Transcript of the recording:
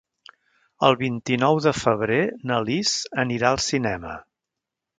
El vint-i-nou de febrer na Lis anirà al cinema.